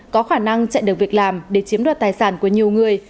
có khả năng chạy được việc làm để chiếm đoạt tài sản của nhiều người